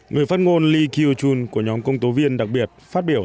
người phát ngôn lee kyu chun của nhóm công tố viên đặc biệt phát biểu